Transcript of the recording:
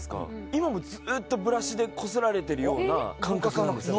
今もずっとブラシでこすられてるような感覚なんですよ。